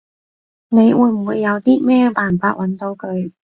你會唔會有啲咩辦法搵到佢？